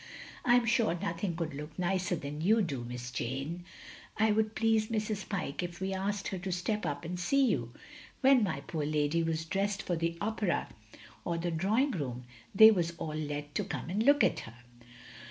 "I 'm sure nothing could look nicer than you do. Miss Jane. It would please Mrs. Pyke if we asked her to step up and see you. When my poor lady was dressed for the Opera or the Drawing room, they was all let to come and look at her.